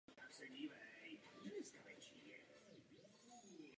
Metropolita dává pomazání carovi.